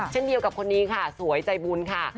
เช่นเดียวกับคนนี้ค่ะสวยใจบุญค่ะ